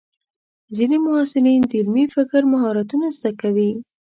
ځینې محصلین د علمي فکر مهارتونه زده کوي.